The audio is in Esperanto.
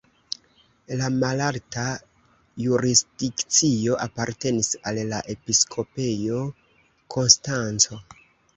La malalta jurisdikcio apartenis al la Episkopejo Konstanco.